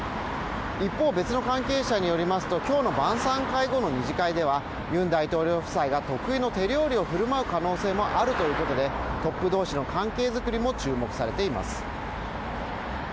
一方、別の関係者によりますと、今日の晩さん会後の２次会では、ユン大統領夫妻は得意の手料理を振る舞う可能性もあるということでトップ同士の関係づくりも注目されています。